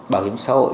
bảo hiểm xã hội